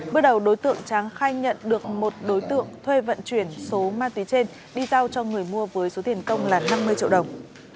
bước đầu đối tượng tráng khai nhận được một đối tượng thuê vận chuyển số ma túy trên đi giao cho người mua với số tiền công là năm mươi triệu đồng